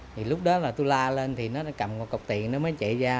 thì lúc đó là tôi la lên thì nó đã cầm một cọc tiền nó mới chạy ra